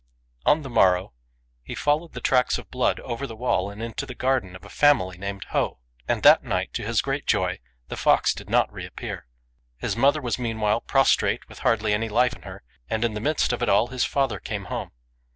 On the morrow he followed the tracks of blood over the wall and into the garden of a family named Ho ; and that night, to his great joy, the fox did not reappear. His mother was meanwhile prostrate, with hardly any life in her, and in the midst of it all his father came home.